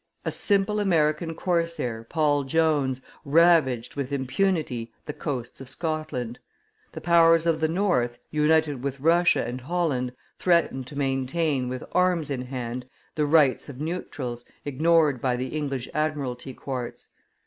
A simple American corsair, Paul Jones, ravaged with impunity the coasts of Scotland. The powers of the North, united with Russia and Holland, threatened to maintain, with arms in hand, the rights of neutrals, ignored by the English admiralty courts.